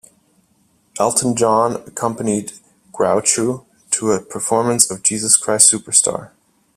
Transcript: Elton John accompanied Groucho to a performance of "Jesus Christ Superstar".